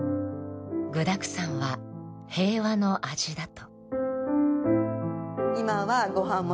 具だくさんは平和の味だと。